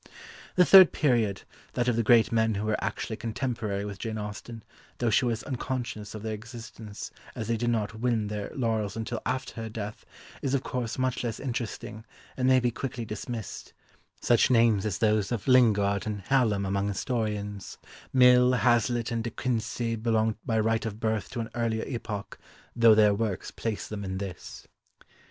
The third period, that of the great men who were actually contemporary with Jane Austen, though she was unconscious of their existence, as they did not win their laurels until after her death, is of course much less interesting, and may be quickly dismissed, such names as those of Lingard and Hallam among historians; Mill, Hazlitt, and De Quincey belong by right of birth to an earlier epoch, though their works place them in this.